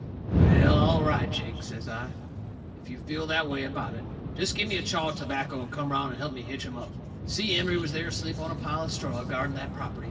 "Well, all right, Jake," says I, "if you feel that way about it. Jest give me a chaw of tobacco and come around and help me hitch 'em up." Si Emery was there asleep on a pile of straw guarding that property.